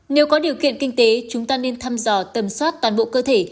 nếu có điều kiện kinh tế chúng ta nên thăm dò tầm soát toàn bộ cơ thể